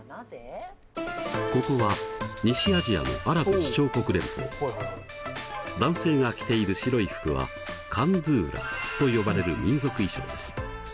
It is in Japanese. ここは西アジアの男性が着ている白い服はカンドゥーラと呼ばれる民族衣装です。